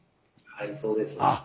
はいそうです。